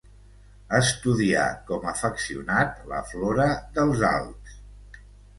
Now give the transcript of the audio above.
Estudià com afeccionat la flora dels Alps.